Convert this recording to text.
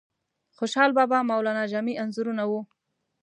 د خوشحال بابا، مولانا جامی انځورونه وو.